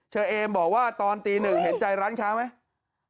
เอมบอกว่าตอนตีหนึ่งเห็นใจร้านค้าไหม